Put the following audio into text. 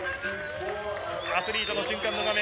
アスリートの瞬間の画面。